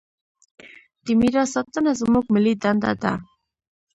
د میراث ساتنه زموږ ملي دنده ده.